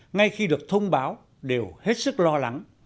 ngay khi được thông báo đều hết sức lo lắng